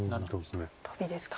トビですか。